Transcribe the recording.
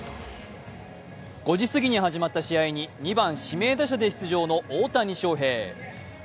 ５時すぎに始まった試合に２番・指名打者で出場の大谷翔平。